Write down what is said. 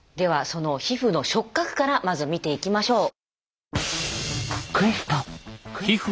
その皮膚の触覚からまず見ていきましょう。